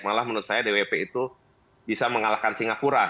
malah menurut saya dwp itu bisa mengalahkan singapura